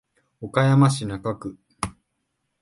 岡山市中区